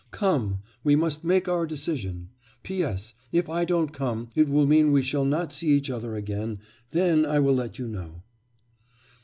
Come. We must make our decision. P.S. If I don't come, it will mean we shall not see each other again; then I will let you know.